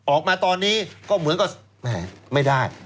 ออกมาตอนนี้ก็เหมือนกับแหมไม่ได้